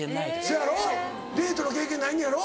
そやろデートの経験ないのやろ。